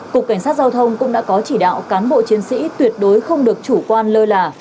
cục cảnh sát giao thông cũng đã có chỉ đạo cán bộ chiến sĩ tuyệt đối không được chủ quan lơ là